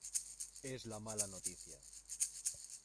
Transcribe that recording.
es la mala noticia.